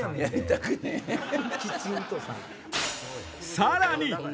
さらに！